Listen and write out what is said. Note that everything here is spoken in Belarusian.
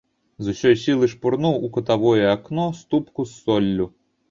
З усёй сілы шпурнуў у кутавое акно ступку з соллю.